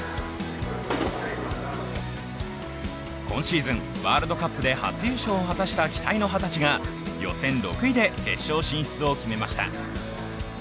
今シーズン、ワールドカップで初優勝を果たした期待の二十歳が予選６位で決勝進出を決めました。